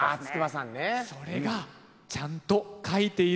それがちゃんと描いているんです。